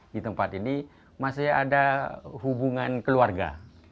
di tempat ini masih ada hubungan keluarga